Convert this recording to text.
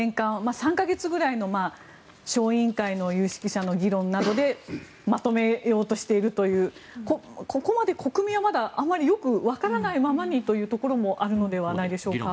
３か月ぐらいの小委員会の議論でまとめようとしているというここまで国民はまだよくわからないままにというところもあるのではないでしょうか。